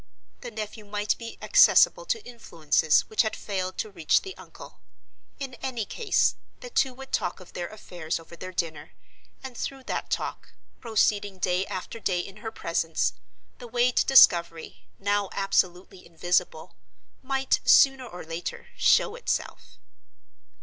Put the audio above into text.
The nephew might be accessible to influences which had failed to reach the uncle. In any case, the two would talk of their affairs over their dinner; and through that talk—proceeding day after day in her presence—the way to discovery, now absolutely invisible, might, sooner or later, show itself.